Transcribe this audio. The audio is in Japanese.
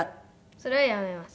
それはやめます。